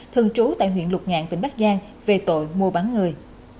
thường trú tại huyện lục ngạn tỉnh bắc giang về tội mua bán người